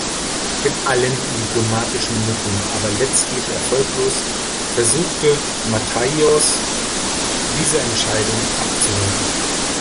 Mit allen diplomatischen Mitteln, aber letztlich erfolglos, versuchte Matthaios diese Entscheidung abzuwenden.